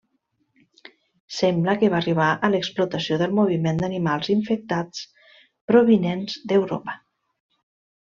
Sembla que va arribar a l’explotació pel moviment d’animals infectats provinents d’Europa.